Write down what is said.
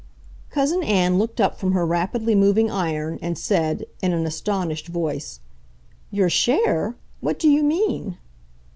Cousin Ann looked up from her rapidly moving iron, and said, in an astonished voice: "Your share? What do you mean?"